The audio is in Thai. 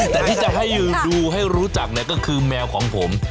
แต่ที่จะให้ดูให้รู้จักเนี่ยก็คือแมวของผม